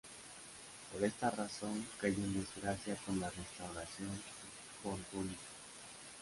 Por esta razón, cayó en desgracia con la Restauración borbónica.